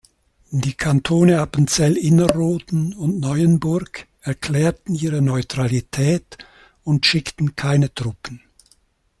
Die Kantone Appenzell Innerrhoden und Neuenburg erklärten ihre Neutralität und schickten keine Truppen.